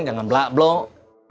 jangan blak blok